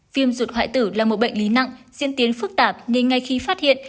viêm ruột hoại tử là một bệnh lý nặng diễn tiến phức tạp nên ngay khi phát hiện